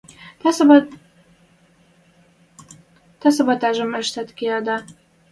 Тӓ саботажым ӹштен киэдӓ!..